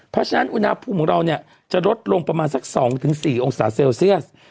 เพราะฉะนั้นอุณหภูมิของเราเนี่ยจะลดลงประมาณสัก๒๔องศาเซลเซียส